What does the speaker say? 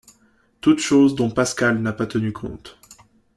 Toutes choses dont Pascal n'a pas tenu compte.